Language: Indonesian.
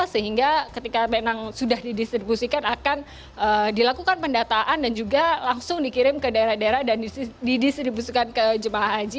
sehingga ketika memang sudah didistribusikan akan dilakukan pendataan dan juga langsung dikirim ke daerah daerah dan didistribusikan ke jemaah haji